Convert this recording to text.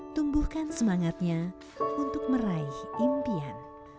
tumbuhkan semangatnya untuk meraih impian